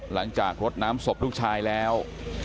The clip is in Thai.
หลังจากรดน้ำศพลูกชายแล้ว